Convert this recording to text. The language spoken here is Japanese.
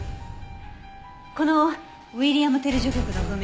この『ウィリアム・テル序曲』の譜面